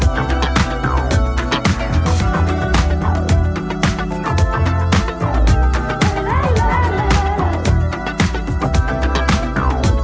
จริง